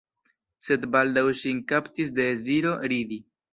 Sed baldaŭ ŝin kaptis deziro ridi.